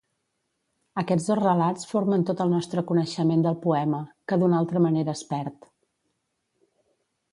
Aquests dos relats formen tot el nostre coneixement del poema, que d'una altra manera es perd.